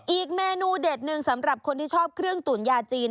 อีกเมนูเด็ดหนึ่งสำหรับคนที่ชอบเครื่องตุ๋นยาจีน